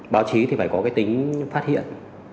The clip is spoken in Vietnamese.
báo chí thì phải có cái tính phát hiện